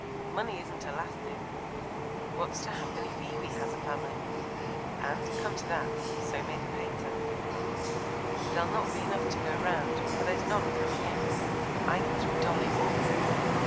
Money isn't elastic. What's to happen if Evie has a family? And, come to that, so may the pater. There'll not be enough to go round, for there's none coming in, either through Dolly or Percy.